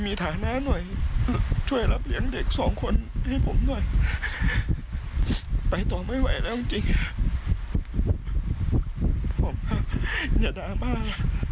ไม่ไหวแล้วจริงครับผมอย่าด่ามาก